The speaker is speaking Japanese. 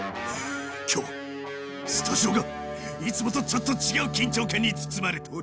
今日はスタジオがいつもとちょっと違う緊張感に包まれております。